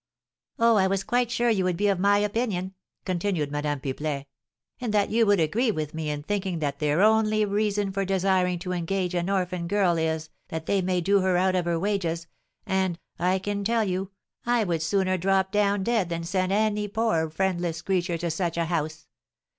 "Oh, I was quite sure you would be of my opinion," continued Madame Pipelet, "and that you would agree with me in thinking that their only reason for desiring to engage an orphan girl is, that they may do her out of her wages; and, I can tell you, I would sooner drop down dead than send any poor, friendless creature to such a house!